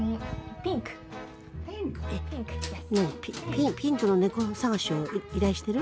ピンクのネコ探しを依頼してる？